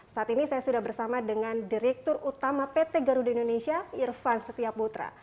saat ini saya sudah bersama dengan direktur utama pt garuda indonesia irvan setiaputra